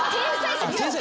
先生